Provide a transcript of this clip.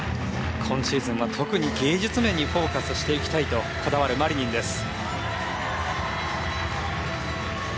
今シーズンは特に芸術面にフォーカスしていきたいとこだわるマリニンです。